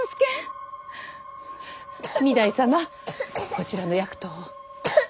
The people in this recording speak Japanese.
こちらの薬湯を！